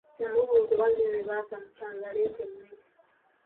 Yamubuuza oba luli lwe baava mu kyalo yaleeta emmere.